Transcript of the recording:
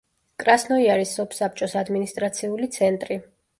კრასნოიარის სოფსაბჭოს ადმინისტრაციული ცენტრი.